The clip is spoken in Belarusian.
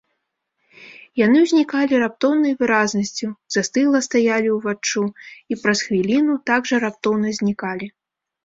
Яны ўзнікалі раптоўнай выразнасцю, застыгла стаялі ўваччу і праз хвіліну так жа раптоўна знікалі.